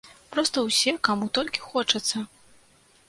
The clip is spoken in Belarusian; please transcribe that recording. Проста ўсе, каму толькі хочацца!